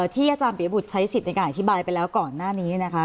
ที่อาจารย์ปียบุตรใช้สิทธิ์ในการอธิบายไปแล้วก่อนหน้านี้นะคะ